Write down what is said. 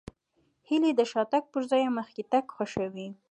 هیلۍ د شاتګ پر ځای مخکې تګ خوښوي